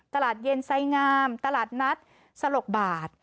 ตลาดเย็นไซงามตลาดนัดสลกบาท